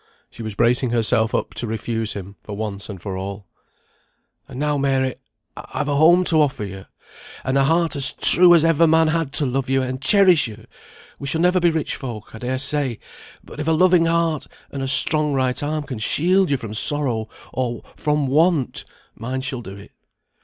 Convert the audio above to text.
She was bracing herself up to refuse him, for once and for all. "And now, Mary, I've a home to offer you, and a heart as true as ever man had to love you and cherish you; we shall never be rich folk, I dare say; but if a loving heart and a strong right arm can shield you from sorrow, or from want, mine shall do it.